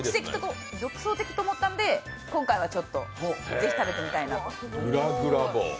独創的と思ったので、今回はぜひ食べてみたいなと。